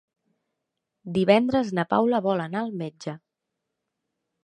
Divendres na Paula vol anar al metge.